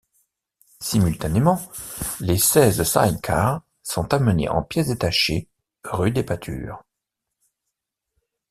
Simultanément, les seize side-cars sont amenés en pièces détachées rue des Pâtures.